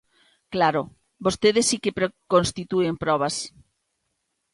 Claro, vostedes si que preconstitúen probas.